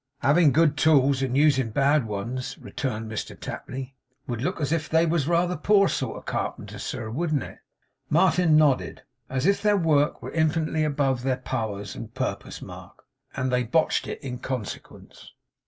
'Having good tools, and using bad ones,' returned Mr Tapley, 'would look as if they was rather a poor sort of carpenters, sir, wouldn't it?' Martin nodded. 'As if their work were infinitely above their powers and purpose, Mark; and they botched it in consequence.